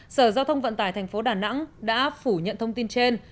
sở giao thông vận tải tp đà nẵng đã phủ nhận thông tin trên